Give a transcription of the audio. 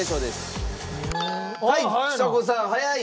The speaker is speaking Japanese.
はいちさ子さん早い！